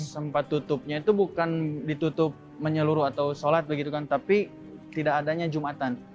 sempat tutupnya itu bukan ditutup menyeluruh atau sholat begitu kan tapi tidak adanya jumatan